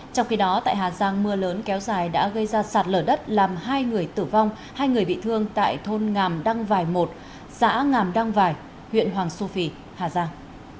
trong khi đó tại hà giang mưa lớn kéo dài đã gây ra sạt lở đất làm hai người tử vong hai người bị thương tại thôn ngàm đăng vài một xã ngàm đăng vài huyện hoàng su phi hà giang